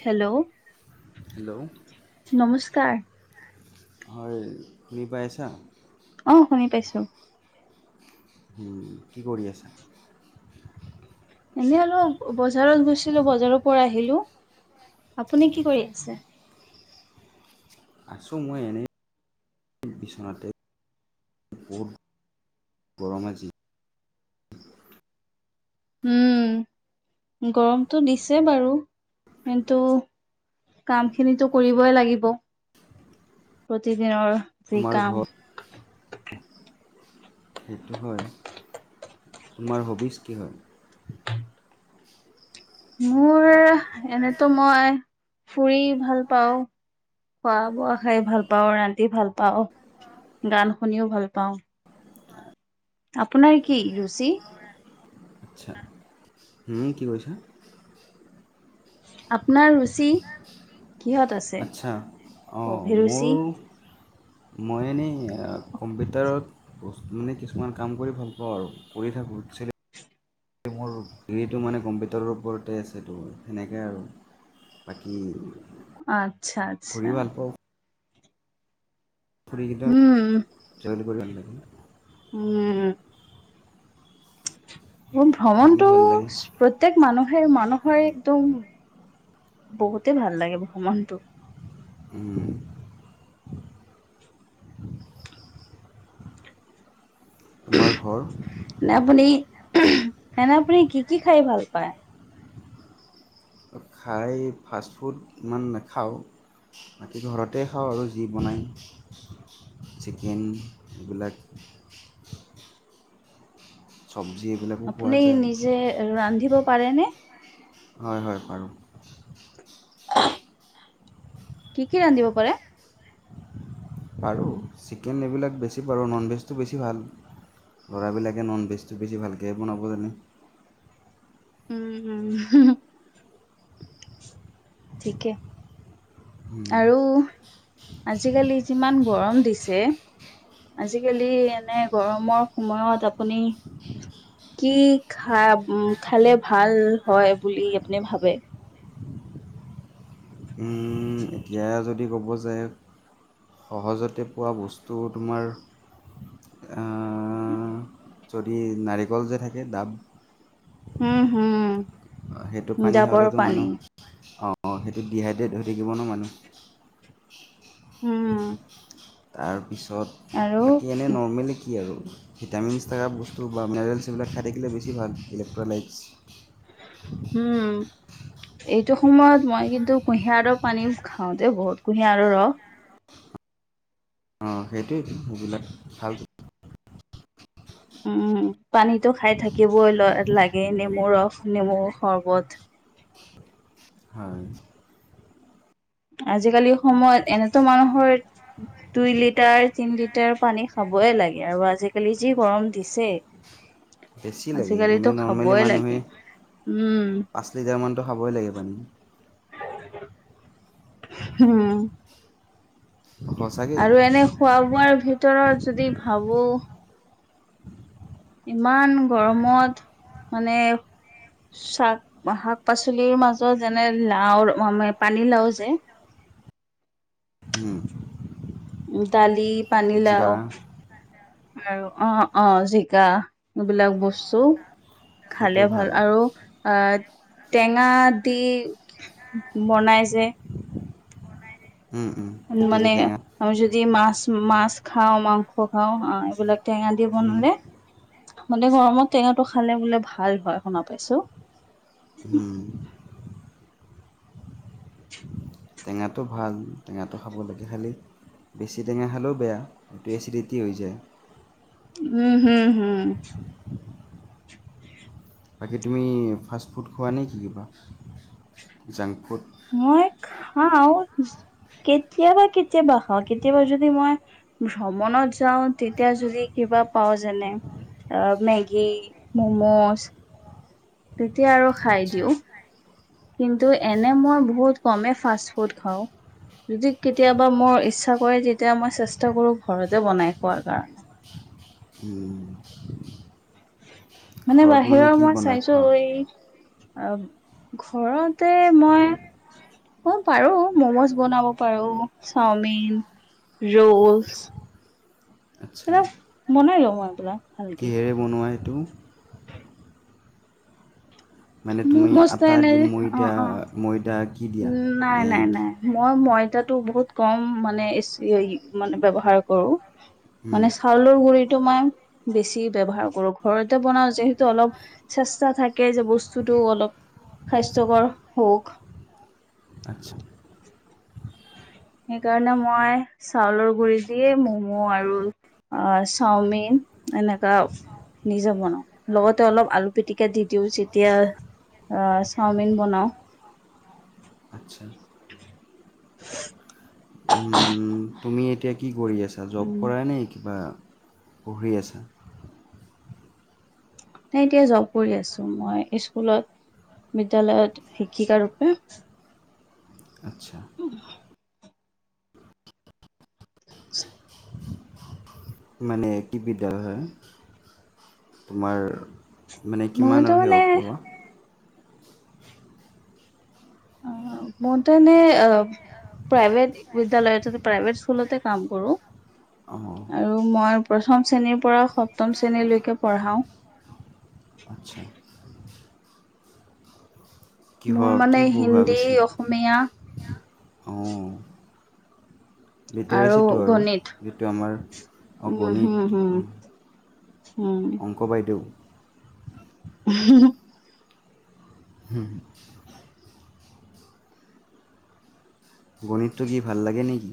Hello hello নমস্কাৰ হয় শুনি পাইছা অ শুনি পাইছো কি কৰি আছা এনেই অলপ বজাৰত গৈছিলো বজাৰৰ পৰা আহিলো আপুনি কি কৰি আছে আছো মই এনেই বিচনাতে বহুত গৰম আজি উম গৰমটো দিছে বাৰু কিন্তু কাম খিনো কৰিবই লাগিব প্ৰতিদিনৰ যি তোমাৰ কাম ঘৰ সেইটো হয়, তোমাৰ হবিজ কি হয় মোৰ এনেতো মই ফুৰি ভাল পাওঁ খোৱা বোৱা খাই ভাল পাওঁ ৰান্ধি ভাল পাওঁ গান শুনিও ভাল পাওঁ আপোনাৰ কি ৰুচি আচ্ছা কি কৈছা আপোনাৰ ৰুচি কিহত আছে আচ্ছা অ অভিৰুচি মোৰ মই এনেই কম্পিউটাৰত মানে কিছুমান কাম কৰি ভাল পাওঁ আৰু কৰি থাকোঁ [unintelligible] এই, মোৰ ডিগ্ৰীটো মানে কম্পিউটাৰৰ ওপৰতে আছেতো, সেনেকে আৰু। বাকী আচ্ছা, ঘূৰি আচ্ছা। ভাল ফ্ৰি কেইটা উম [unintelligible] উম। খেলি ভ্ৰমণটো, ভাল লাগে প্ৰত্যেক মানুহ হেই মানুহৰ একদম, বহুতে ভাল লাগে ভ্ৰমণটো। উম। আমাৰ ঘৰ নে, আপুনি, এনে আপুনি, কি, কি খাই ভাল পায়। খাই, ফাষ্টফুড ইমান নাখাওঁ। বাকী ঘৰতে খাওঁ আৰু, যি বনাই। চিকেন, এইবিলাক। চব্জি এইবিলাকো খোৱা আপুনি যায় নিজে ৰান্ধিব পাৰেনে? হয় হয় পাৰোঁ। কি কি ৰান্ধিব পাৰে। বাৰু চিকেন এইবিলাক বেছি বাৰু ননভেজটো বেছি ভাল ল'ৰাবিলাকে ননভেজটো বেছি ভালকৈ বনাব জানে উ ঠিকে উম, আৰু আজিকালি যিমান গৰম দিছে আজিকালি এনে গৰমৰ সময়ত আপুনি কি খালে ভাল হয় বুলি আপুনি ভাবে বেয়া যদি ক'ব যায় সহজতে পোৱা বস্তু তোমাৰ আহ, যদি নাৰিকল যে থাকে দাব উম হম অ' সেইটো পানী জাবৰ হাবলেতো মানুহ পানী অ' অ' সেইটো ডিহাইড্ৰেট হৈ থাকিব ন মানুহ উম তাৰপিছত বাকী এনেই আৰু নৰ্মেলি কি আৰু ভিটামিনছ থকা বস্তু বা মিনাৰেলছ এইবিলাক খাই থাকিলে বেছি ভাল ইলেক্ট্ৰ'লাইটছ উম, এইটো সময়ত মই কিন্তু কুঁহিয়াৰ ৰ পানী খাওঁতে বহুত কুঁহিয়াৰ ৰস। অ' সেইটোৱেই সেইবিলাক ভাল উম পানীতো খাই থাকিবই ল লাগে নেমু ৰস নেমু সৰ্বত হয়। আজিকালি সময়ত এনেতো মানুহৰ দুই লিটাৰ তিন লিটাৰ পানী খাব। হ'বই লাগে আৰু আজিকালি যি গৰম দিছে বেছি লাগে আজিকালিতো এনেই নৰ্মেলি খাবই মানুহে লাগে উম পাঁচ লিটাৰমানানতটো খাবই লাগিব নি হম। সঁচাকেই আৰু এনে খোৱা বোৱাৰ ভিতৰত যদি ভাবো ইমান গৰমত মানে শাক শাক পাচলিৰ মাজত যেনে লাওৰ ম পানী লাও যে। উম উ দালি পানী জিকা লাও। আৰু অ- অ জিকা এইবিলাক বস্তু খালে ভাল আৰু আৰু টেঙা দি বনাই যে। উম, উম, উ তেতেলী মানে টেঙা আমি যদি মাছ মাছ খাওঁ মাংস খাওঁ অ এইবিলাক। টেঙা দিয়ে উম, বনালে। মানে গৰমত টেঙাটো খালে বোলে ভাল হয় শুনা পাইছো। উম। [inaudible] টেঙাটো ভাল টেঙাটো খাবলৈাগে খালি বেছি টেঙা খালেও বেয়া এইটো এচিডিটি হৈ যায় উম হম হম বাকী তুমি ফাষ্ট ফুড খোৱা নে কি কিবা জাংক ফুড। মই খাওঁ কেতিয়াবা কেতিয়াবা খাওঁ কেতিয়াবা যদি মই। ভ্ৰমণত যাওঁ। তেতিয়া যদি কিবা পাওঁ। যেনে অ', মেগি, ম'মজ তেতিয়া আৰু খাই আচ্ছা দিওঁ। কিন্তু এনে মই বহুত কমেই ফাষ্ট ফুড খাওঁ। যদি কেতিয়াবা মই ইচ্ছা কৰে, তেতিয়া মই চেষ্টা কৰো ঘৰতে বনাই খোৱাৰ কাৰণে। উম। মানে ঘৰত বাহিৰৰ কি মই বনাই চাইছো খোৱা এই আহ, ঘৰতে মই অ', পাৰোঁ, মম'জ বনাব পাৰোঁ, চাওমিন ৰৌচ আচ্ছা [unintelligible] মনাই লম মই এইবিলাক ভালকে কিহেৰে বনোৱা এইটো? মানে তুমি মোৰ বস্থাই আটা দি নাই যে। ময়দা অ', অ', ময়দা কি দিয়া নাই, নে নাই, কি? নাই মই ময়দাটো বহুত কম মানে ইচ ই মানে ব্যৱহাৰ কৰোঁ। হুম, মানে চাউলৰ গুৰিত তোমাৰ বেছি বৱহাৰ কৰোঁ ঘৰতে বনাওঁ যে, হেতু অলপ চেষ্টা থাকে যে, বস্তুটো অলপ স্বাস্থ্যকৰ হওঁক। আচ্ছা সেইকাৰণে মই, চাউলৰ গুৰি দিয়ে মম' আৰু অ চাওমিন এনেকাও নিজে বনাওঁ। লগতে অলপ আলু পিটিকা দি দিওঁ যেতিয়া অ', চাওমিন বনাওঁ। আচ্ছা উম, তুমি এতিয়া কি কৰি আছা? জব উম কৰা নে, কিবা পঢ়ি আছা? সেনেকে জব কৰি আছোঁ। মই স্কুলত। বিদ্যালয়ত শিক্ষিকা ৰূপে। আচ্ছা [unintelligible] [unintelligible] মানে কি বিদ্যালয় হয়? তোমাৰ মানে কিমান মইতো আৰু হে মানে অফ পঢ়োৱা? অ' মোৰ তেনে অ' প্ৰাইভেট বিদ্যালয়ত প্ৰাইভেট স্কুলতে কাম কৰোঁ। অঁ আৰু মই প্ৰথম শ্ৰেণীৰ পৰা সপ্তম শ্ৰেণীলৈকে পঢ়াওঁ। আচ্ছা। মোৰ কিহৰ মানে কি পঢ়োৱা হিন্দী, পিছে অসমীয়া অঁ লিটাৰেচিটো আৰু, যিটো আমাৰ উম হম অ-গণিত হম অংক বাইদেউ [unintelligible] হম। গণিতটো কি ভাল লাগে নেকি?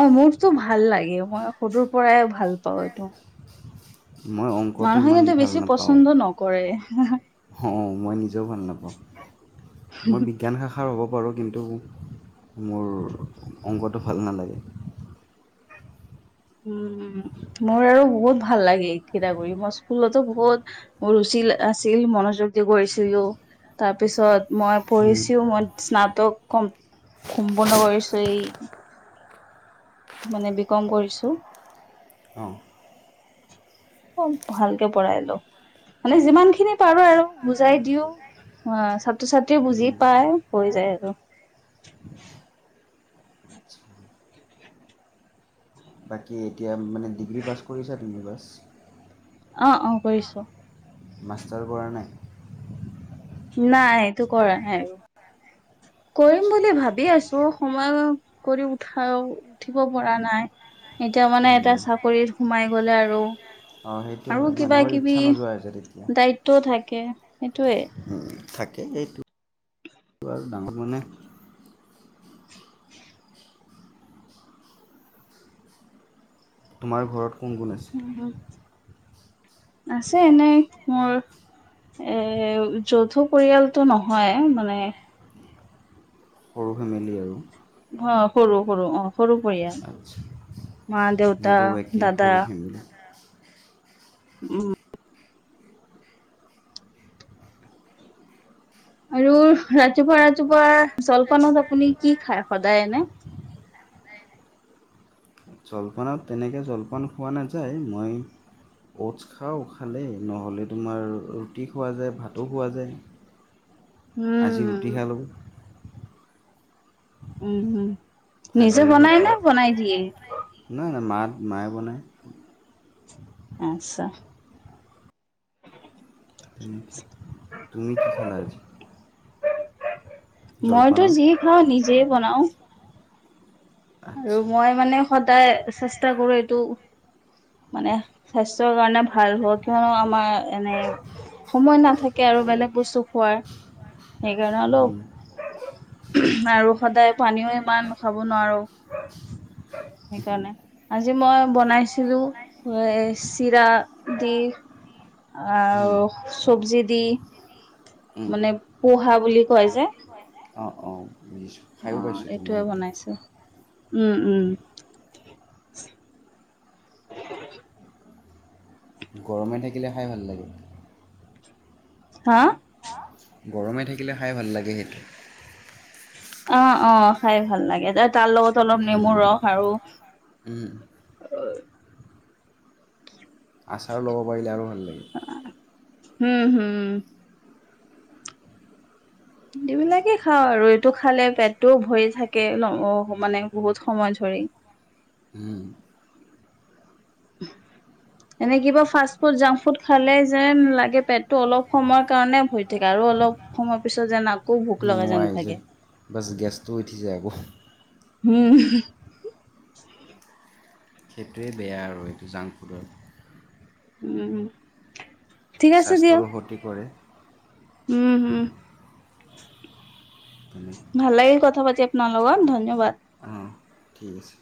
অ', মোৰতো ভাল লাগে। মই সৰুৰ পৰাই ভাল পাওঁ এইটো। মই অংকটো মানুহে ইমান কিন্তু ভাল বেছি নাপাওঁ। পচন্দ নকৰে অ', মই নিজেও ভাল নাপাওঁ। মই বিজ্ঞান শাখাৰ হ'ব হ'ব পাৰো, কিন্তু মোৰ অংকটো ভাল নালাগে। উম, মোৰ আৰু বহুত ভাল লাগে এই কিতা কৰি, মই স্কুলতো বহুত ৰুচি ছিল আছিল, মনোযোগ দি কৰিছিলোঁ, তাৰপিছত মই উম, পঢ়িছোঁ, মই স্নাতক কম সম্পূৰ্ণ কৰিছোঁ, এই মানে বি কম কৰিছোঁ। [inaudible] অ', ভালকে পঢ়াই লওঁ মানে যিমানখিনি পাৰোঁ আৰু বুজাই দিওঁ। অ', ছাত্ৰ-ছাত্ৰী বুজি পায়, হৈ যায় আৰু। [inaudible] বাকী এতিয়া মানে ডিগ্ৰী পাছ কৰিছা [unintelligible] অ', অ', কৰিছোঁ। মাষ্টাৰ কৰা নাই? নাই, এইটো কৰা নাই। [inaudible] কৰিম বুলি ভাবি আছো সময় কৰি উঠা, উঠিব পৰা নাই। এতিয়া মানে এটা চাকৰিত সোমাই গলে আৰু। অ, সেইটো আৰু হয়। কিবা মানুহৰ কিবি ইচ্ছা নোযোৱা হৈছে তেতিয়া। দায়িত্বও থাকে সেইটোৱে। উম, থাকে, সেইটো আৰু ডাঙৰ মানে [unintelligible] তোমাৰ ঘৰত। কোন কোন আছে আছে এনেই মোৰ। এ, যথু পৰিয়ালটো নহয় মানে। সৰু ফেমিলি আৰু অ, সৰু-সৰু অ, সৰু পৰিয়াল মা, দেউতা। মো, একে দাদা সৰু ফেমিলি। উম। আৰু ৰাতিপুৱা, ৰাতিপুৱা জলপানত আপুনি কি খায়, সদায় এনে? জলপানত তেনেকৈ জলপান খোৱা নাযায়। মই অ'টছ খাওঁ খালে, নহ'লে তোমাৰ ৰুটি খোৱা যায়, ভাতো খোৱা যায়। আজি উম ৰুতি খালো। উম, হুম। নিজে ভাজিৰ বনাই সৈতে নে, বনাই দিয়ে? নাই নাই মা মায়ে বনায়। আচছা। তেনেকৈ [inaudible] তুমি কি খালা আজি? মইতো জলপানত যি খাওঁ, নিজেই বনাওঁ। আৰু আচ্ছা মই মানে সদায় চেষ্টা কৰো, এইটো মানে স্বাস্থ্যৰ কাৰণে ভাল হক, কিয়নো আমাৰ এনেই সময় নাথাকে আৰু। বেলেগ বস্তু খোৱাৰ। সেইকাৰণে উম, অলপ আৰু সদায় পানীও ইমান খাব নোৱাৰো। সেইকাৰণে, আজি মই বনাইছিলো, এ চিৰা দি। উম, আৰু ছৱজি দি। উম। মানে পোহা বুলি কয় যে। অঁ অঁ বুজিছোঁ খায়ো অ, পাইছোঁতো মই এইটোৱে সেইটো বনাইছো। উম, উম। গৰমে থাকিলে, খাই ভাল লাগে। হা? গৰমে থাকিলে খাই ভাল লাগে সেইটো। অ অ, খাই ভাল লাগে, তাৰ লগত অলপ নেমু ৰস আৰু উম। [inaudible] আচাৰো ল'ব পাৰিলে আৰু ভাল লাগে। হু- হু। এইবিলাকে খাওঁ আৰু এইটো খালে পেটটোও ভৰি থাকে ন‌ মানে বহুত সময় ধৰি। হম। এনে কিবা ফাষ্ট ফুড, জাংক ফুড খালে যেন লাগে পেটটো অলপ সময়ৰ কাৰণে ভৰি থাকে। আৰু ৰু অলপ সময় পিছত যেন আকৌ ভু পুৱাই যে বছ গেছটো উঠি যাই আকৌ। হম। সেইটোৱে বেয়া আৰু এইটো জাংক ফুডত। উম। ঠিক আছে দিয়ক স্বাস্থ্যৰো ক্ষতি কৰে উম উম। তুমি ভাল লাগিল কথা পাতি আপোনাৰ লগত, ধন্যবাদ। অঁ ঠিক আছে